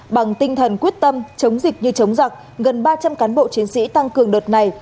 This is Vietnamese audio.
bằng tinh thần quyết tâm chống dịch như chống giặc gần ba trăm linh cán bộ chiến sĩ tăng cường đợt này